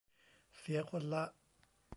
เสียคนละ